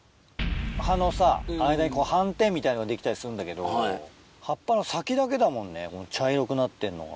葉のさ間に斑点みたいなのができたりするんだけど葉っぱの先だけだもんね茶色くなってんのが。